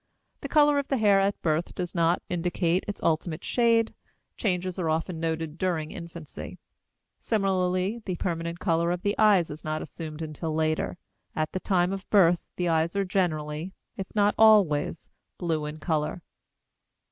The color of the hair at birth does not indicate its ultimate shade; changes are often noted during infancy. Similarly the permanent color of the eyes is not assumed until later; at the time of birth the eyes are generally, if not always, blue in color.